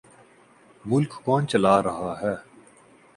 ملک کون چلا رہا ہے؟